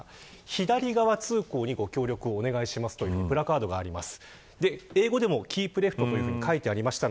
左側通行に、ご協力をお願いしますというプラカードがあります。